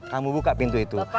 kamu buka pintu itu